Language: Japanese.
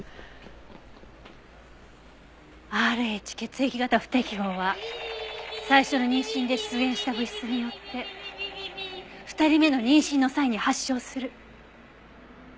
Ｒｈ血液型不適合は最初の妊娠で出現した物質によって２人目の妊娠の際に発症する。